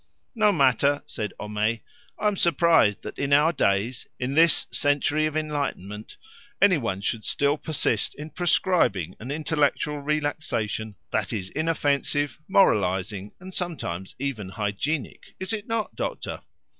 "No matter," said Homais. "I am surprised that in our days, in this century of enlightenment, anyone should still persist in proscribing an intellectual relaxation that is inoffensive, moralising, and sometimes even hygienic; is it not, doctor?"